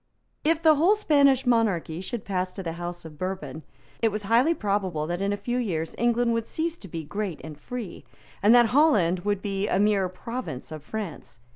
If the whole Spanish monarchy should pass to the House of Bourbon, it was highly probable that in a few years England would cease to be great and free, and that Holland would be a mere province of France.